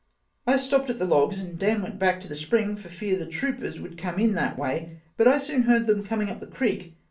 I stopped at the logs and Dan went back to the spring for fear the tropers would come in that way but I soon heard them coming up the creek.